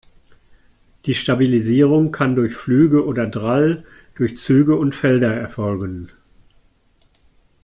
Die Stabilisierung kann durch Flügel oder Drall durch Züge und Felder erfolgen.